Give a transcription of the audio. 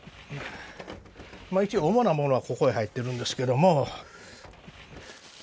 一応主なものはここへ入ってるんですけども。